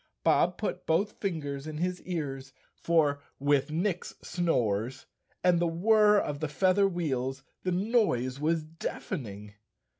Bob put both fingers in his ears, for with Nick's snores and the whir of the feather wheels the noise was deafening.